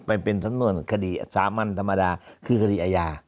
ไปเป็นสำนวนคดีสามัญธรรมดาคือคดีอาญา